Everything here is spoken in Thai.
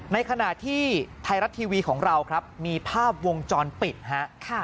ในขณะที่ไทยรัฐทีวีของเราครับมีภาพวงจรปิดฮะ